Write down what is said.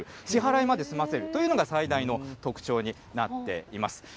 支払いまで済ませるというのが最大の特徴になっています。